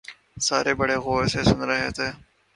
سارے بڑے غور سے سن رہے تھے